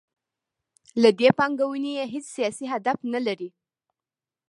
له دې پانګونې یې هیڅ سیاسي هدف نلري.